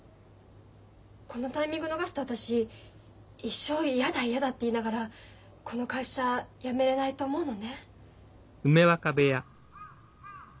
このタイミング逃すと私一生嫌だ嫌だって言いながらこの会社辞めれないと思うのね。